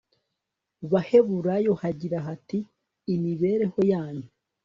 baheburayo hagira hati imibereho yanyu